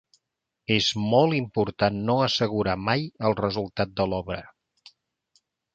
És molt important no assegurar mai el resultat de l'obra...